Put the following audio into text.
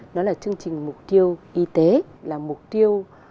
đó là chương trình mục tiêu y tế là mục tiêu